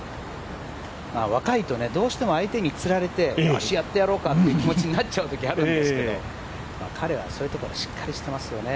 若いと、どうしても相手につられてよし、やってやろうかという気持ちになっちゃうときあるんですけど、彼はそういうところしっかりしていますよね。